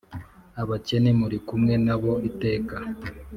Abakene muri kumwe na bo iteka